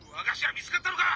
見つかったのか？